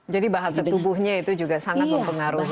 jadi bahasa tubuhnya itu juga sangat mempengaruhi ya